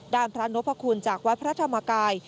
พระนพคุณจากวัดพระธรรมกาย